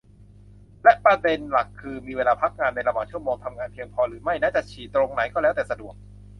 และประเด็นหลักคือ มีเวลาพักจากงานในระหว่างชั่วโมงทำงานเพียงพอหรือไม่น่ะ จะฉี่ตรงไหนก็แล้วแต่สะดวก